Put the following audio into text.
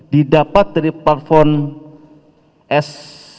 didapat dari platform s